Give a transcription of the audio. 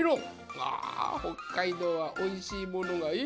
あ北海道はおいしいものがいっぱい。